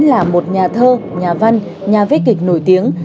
là một nhà thơ nhà văn nhà viết kịch nổi tiếng